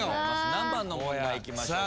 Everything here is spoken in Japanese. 何番の問題いきましょうか。